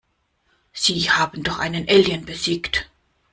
Sie haben doch einen Alien besiegt.